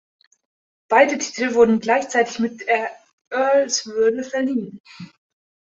Beide Titel wurden gleichzeitig mit der Earlswürde verliehen.